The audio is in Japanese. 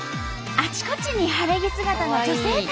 あちこちに晴れ着姿の女性たちが。